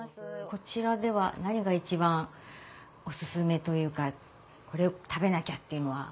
こちらでは何が一番オススメというかこれを食べなきゃっていうのは？